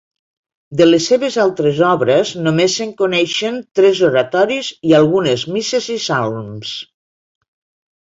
De les seves altres obres només se’n coneixen tres oratoris i algunes misses i salms.